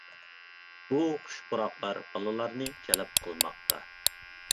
بۇ خۇش پۇراقلار بالىلارنى جەلپ قىلماقتا.